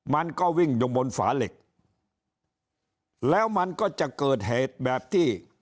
มันก็วิ่งอยู่บนฝาเหล็กแล้วมันก็จะเกิดเหตุแบบที่